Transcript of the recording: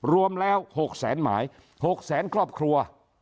รวมแล้ว๖แสนหมาย๖แสนครอบครัว